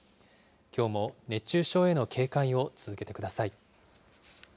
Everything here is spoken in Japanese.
きょうも熱中症への警戒を続けてください。